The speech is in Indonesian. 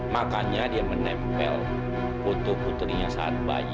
makanya dia menempel foto putrinya saat bayi